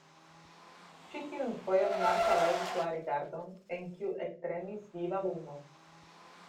Ĉi tiun fojon Marta levis la rigardon, en kiu ektremis viva lumo.